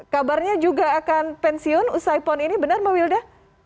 kabarnya juga akan pensiun usai pon ini benar mbak wilda